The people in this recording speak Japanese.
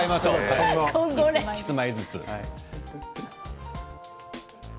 キスマイずつ。